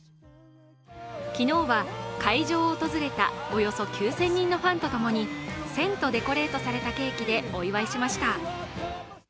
昨日は会場を訪れたおよそ９０００人のファンと共に１０００とデコレートされたケーキでお祝いしました。